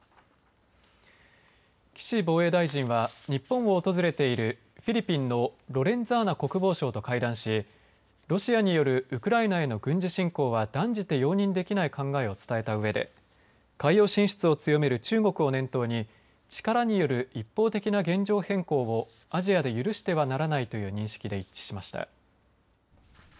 岸防衛大臣は日本を訪れているフィリピンのロレンザーナ国防相と会談しロシアによるウクライナへの軍事侵攻は断じて容認できない考えを伝えたうえで海洋進出を強める中国を念頭に力による一方的な現状変更をアジアで許してはならないという認識で一致しました。